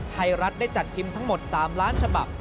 ไทยรัฐได้จัดพิมพ์ทั้งหมด๓ล้านฉบับ